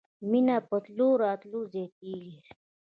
مينه په تلو راتلو زياتېږي.